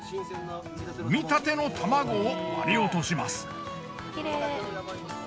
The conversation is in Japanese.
生みたての卵を割り落とします。